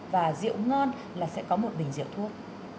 và rượu ngon là sẽ có một bình rượu thuốc